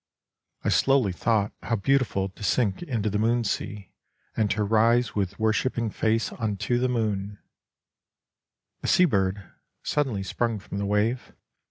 I slowly thought how beautiful to sink Into the moon sea and to rise With worshipping face unto the moon : A sea bird suddenly sprung from the wave.